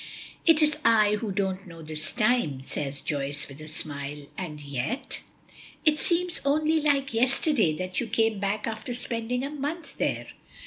"It is I who don't know this time!" says Joyce, with a smile. "And yet " "It seems only like yesterday that you came back after spending a month there."